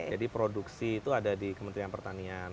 jadi produksi itu ada di kementerian pertanian